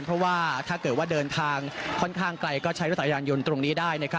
เพราะว่าถ้าเกิดว่าเดินทางค่อนข้างไกลก็ใช้รถจักรยานยนต์ตรงนี้ได้